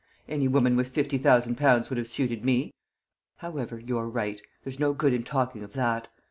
Any woman with fifty thousand pounds would have suited me. However, you're right there's no good in talking of that.